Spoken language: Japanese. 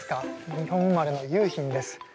日本生まれの雄浜です。